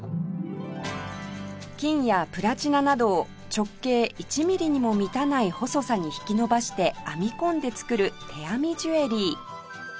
金やプラチナなどを直径１ミリにも満たない細さに引き伸ばして編み込んで作る手編みジュエリー